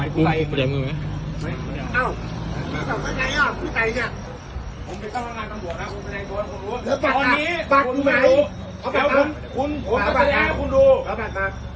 คุณพนักงานตำรวจนะคุณพนักงานตำรวจคุณรู้ตอนนี้คุณไม่รู้ผมจะแสดงให้คุณดู